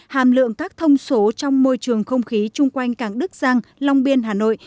hàm lượng các thông số trong môi trường không khí chung quanh cảng đức giang long biên hà nội